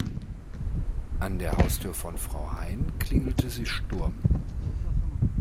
An der Haustür von Frau Hein klingelte sie Sturm.